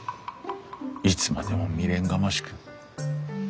いつまでも未練がましく。